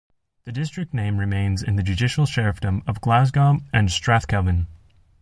The district name remains in the judicial Sheriffdom of 'Glasgow and Strathkelvin'.